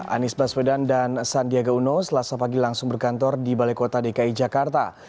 anies baswedan dan sandiaga uno selasa pagi langsung berkantor di balai kota dki jakarta